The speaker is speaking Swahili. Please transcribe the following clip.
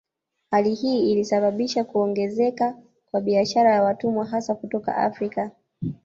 Hali hii ilisababisha kuongezeka kwa biashara ya watumwa hasa kutoka Afrika